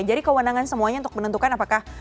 jadi kewenangan semuanya untuk menentukan apakah